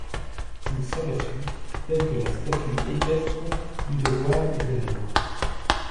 Il s'aperçut, tel que la statue équestre, du devoir et de la Loi!